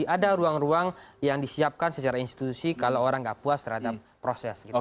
jadi ada ruang ruang yang disiapkan secara institusi kalau orang tidak puas terhadap proses